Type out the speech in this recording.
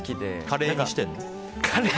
カレーにしてるの？